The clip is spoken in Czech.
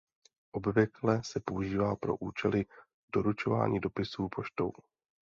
Obvykle se používá pro účely doručování dopisů poštou.